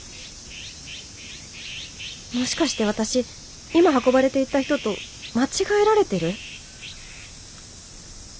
もしかして私今運ばれていった人と間違えられてる？